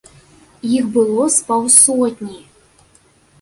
Іх было з паўсотні.